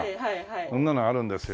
そんなのあるんですよ。